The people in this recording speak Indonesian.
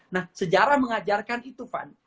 nah sejarah mengajarkan itu fan